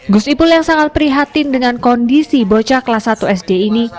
gus ipul yang sangat prihatin dengan kondisi bocah kelas satu sd ini